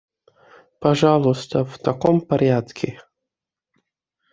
Пожалуйста, в таком порядке.